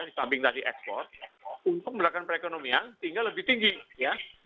di samping tadi ekspor untuk melakukan perekonomian hingga lebih tinggi ya